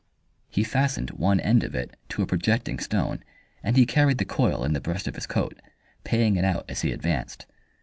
He fastened one end of it to a projecting stone and he carried the coil in the breast of his coat, paying it out as he advanced.